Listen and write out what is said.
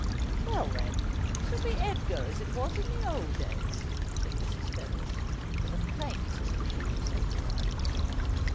' Well, then, it shall be Edgar, as it was in the old days,' said Mrs. Ferrers, with a faint suspicion of sentiment.